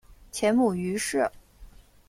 前母俞氏。